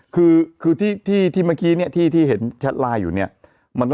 คือที่ที่ที่เมื่อกี้เนี่ยที่ที่เห็นแชทไลน์อยู่เนี่ยมันก็